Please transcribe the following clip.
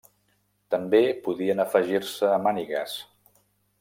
També podien afegir-se mànigues.